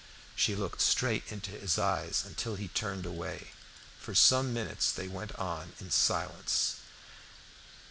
She looked straight into his eyes, until he turned away. For some minutes they went on in silence.